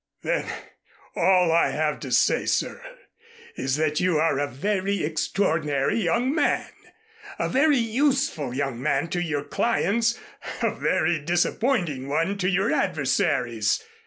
"Then all I have to say, sir, is that you are a very extraordinary young man, a very useful young man to your clients, a very disappointing one to your adversaries."